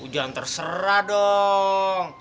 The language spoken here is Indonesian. hujan terserah dong